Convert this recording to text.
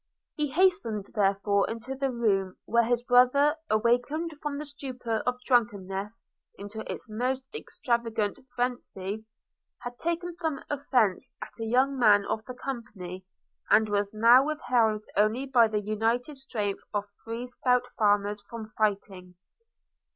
He hastened therefore into the room, where his brother, awakened from the stupor of drunkenness into its most extravagant phrensy, had taken some offence at a young man of the company, and was now withheld only by the united strength of three stout farmers from fighting.